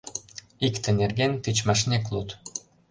Икте нерген тичмашнек луд.